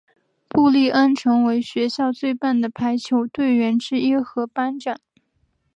布丽恩成为学校最棒的排球队员之一和班长。